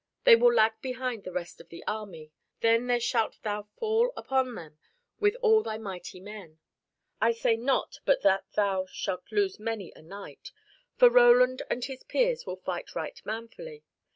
They will lag behind the rest of the army, then there shalt thou fall upon them with all thy mighty men. I say not but that thou shalt lose many a knight, for Roland and his peers will fight right manfully.